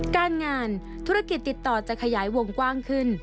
การงานธุรกิจติดต่อจะขยายวงกว้างขึ้น